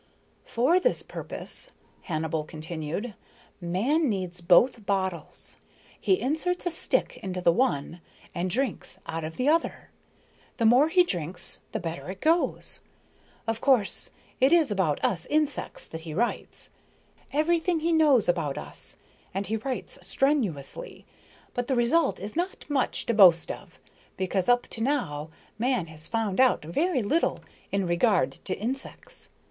"For this purpose," Hannibal continued, "man needs both bottles. He inserts a stick into the one and drinks out of the other. The more he drinks, the better it goes. Of course it is about us insects that he writes, everything he knows about us, and he writes strenuously, but the result is not much to boast of, because up to now man has found out very little in regard to insects.